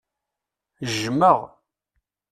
Ǧǧem-aɣ!